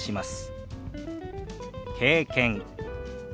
「経験」